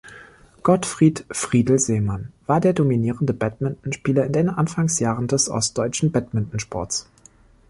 Gottfried „Friedel“ Seemann war der dominierende Badmintonspieler in den Anfangsjahren des ostdeutschen Badmintonsports.